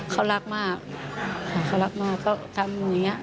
เขารักมากค่ะเขารักมากก็ทำอย่างนี้